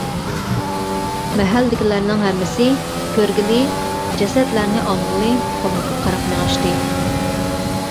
مەھەللىدىكىلەرنىڭ ھەممىسى كۆرگىلى، جەسەتلەرنى ئالغىلى قۇملۇققا قاراپ مېڭىشتى.